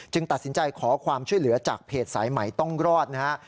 ตัดสินใจขอความช่วยเหลือจากเพจสายใหม่ต้องรอดนะฮะ